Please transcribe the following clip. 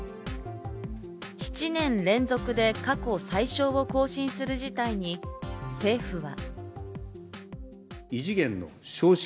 ７年連続で過去最少を更新する事態に政府は。